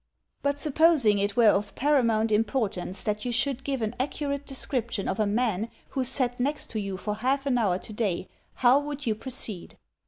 "But supposing it were of paramount importance that you should give an accurate description of a man who sat next to you for half an hour to day, how would you proceed?"